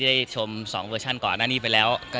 ได้ลองชมเดี๋ยวกว่า